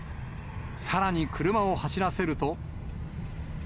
さらに車を走らせると。